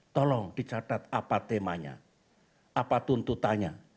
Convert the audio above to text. tolong dicatat apa temanya apa tuntutannya